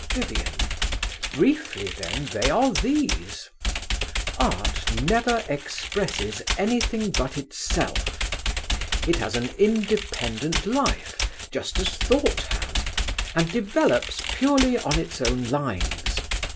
VIVIAN. Briefly, then, they are these. Art never expresses anything but itself. It has an independent life, just as Thought has, and develops purely on its own lines.